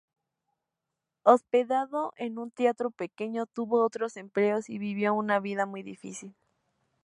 Hospedado en un teatro pequeño, tuvo otros empleos y vivió una vida muy difícil.